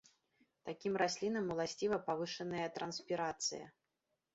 Такім раслінам уласціва павышаная транспірацыя.